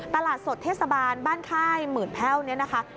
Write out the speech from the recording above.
ตลาดสดเทศบาลบ้านค่ายหมื่นแพ่วเนี่ยนะคะ